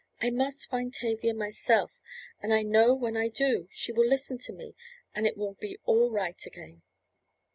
"I must find Tavia myself and I know when I do she will listen to me and it will be all right again."